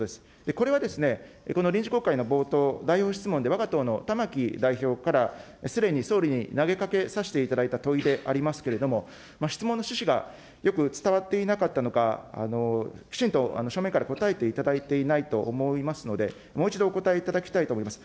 これはこの臨時国会の冒頭、代表質問でわが党の玉木代表から、すでに総理に投げかけさせていただいた問いでありますけれども、質問の趣旨がよく伝わっていなかったのか、きちんと正面から答えていただいていないと思いますので、もう一度お答えいただきたいと思います。